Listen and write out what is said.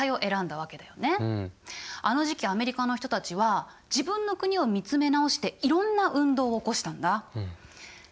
あの時期アメリカの人たちは自分の国を見つめ直していろんな運動を起こしたんだ。